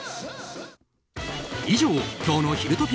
以上今日のひるトピ！